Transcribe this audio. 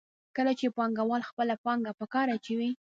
کله چې پانګوال خپله پانګه په کار اچوي